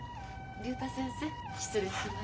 竜太先生失礼します。